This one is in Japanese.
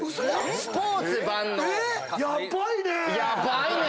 スポーツ万能。